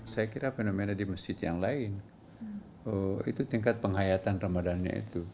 saya kira fenomena di masjid yang lain itu tingkat penghayatan ramadannya itu